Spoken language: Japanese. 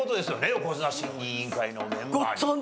横綱審議委員会のメンバーに。